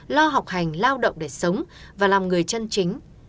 lo học hành lao động để sống và làm người chân chính